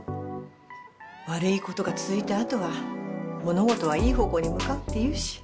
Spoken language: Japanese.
悪いことが続いた後は物事はいい方向に向かうっていうし。